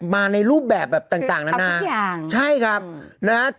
มาในรูปแบบแบบต่างนานาทุกอย่างใช่ครับนะฮะ